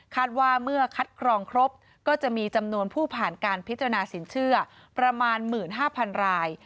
ว่าเมื่อคัดกรองครบก็จะมีจำนวนผู้ผ่านการพิจารณาสินเชื่อประมาณ๑๕๐๐๐ราย